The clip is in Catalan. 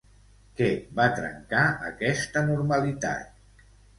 Què va trencar aquesta normalitat?